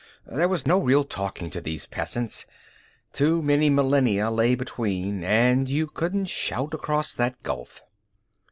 There was no real talking to these peasants; too many millennia lay between, and you couldn't shout across that gulf.